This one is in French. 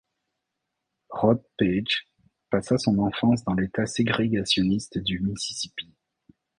Rod Paige passa son enfance dans l'État ségrégationniste du Mississippi.